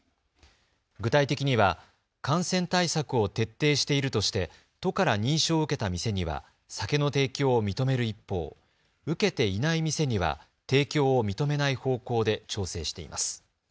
具体的には感染対策を徹底しているとして都から認証を受けた店には酒の提供を認める一方、受けていない店には提供を認めない方向で調整しています。